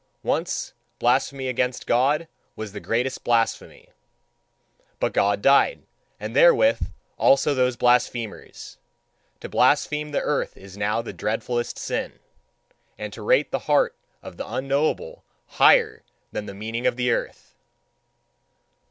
Once blasphemy against God was the greatest blasphemy; but God died, and therewith also those blasphemers. To blaspheme the earth is now the dreadfulest sin, and to rate the heart of the unknowable higher than the meaning of the earth!